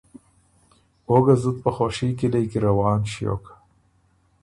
او ګۀ زُت په خوشي کِلئ کی روان ݭیوک۔